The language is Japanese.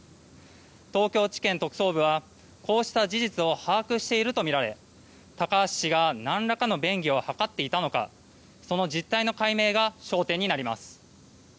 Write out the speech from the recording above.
東京地検特捜部はこうした事実を把握しているとみられ高橋氏が何らかの便宜を図っていたのかその実態の解明が焦点になります。